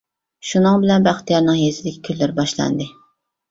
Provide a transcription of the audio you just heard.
شۇنىڭ بىلەن بەختىيارنىڭ يېزىدىكى كۈنلىرى باشلاندى.